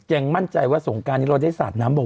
ยังมั่นใจว่าสงการนี้เราได้สาดน้ำบอก